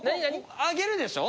上げるでしょ？